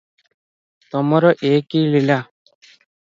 ତମର ଏ କି ଲୀଳା?"